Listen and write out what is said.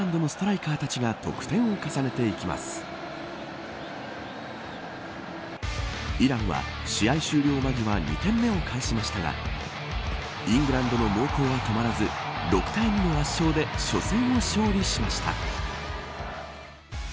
イランは試合終了間際２点目を返しましたがイングランドの猛攻は止まらず６対２の圧勝で初戦を勝利しました。